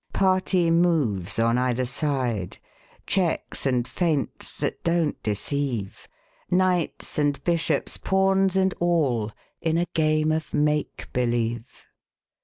I B The Westminster Alice Party moves on either side, Checks and feints that don't deceive, Knights and Bishops, Pawns and all, In a game of Make Believe.